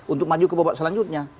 untuk maju ke babak selanjutnya